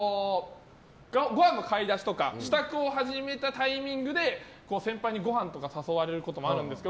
これは母がごはんの買い出しとか支度を始めたタイミングで先輩にごはんとか誘われることもあるんですけど